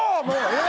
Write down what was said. え！？